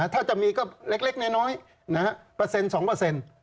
ถ้าจะมีก็เล็กน้อยนะฮะเปอร์เซ็นต์๒เปอร์เซ็นต์